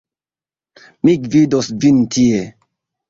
Mi gvidos vin tie.